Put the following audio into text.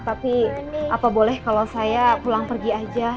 tapi apa boleh kalau saya pulang pergi aja